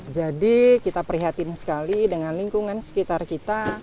jadi kita perhatikan sekali dengan lingkungan sekitar kita